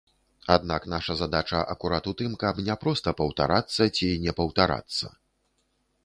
Аднак наша задача акурат у тым, каб не проста паўтарацца ці не паўтарацца.